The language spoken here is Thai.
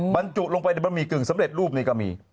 บรรจุลงไปในบะหมี่กึ่งสำเร็จรูปนี่ก็มี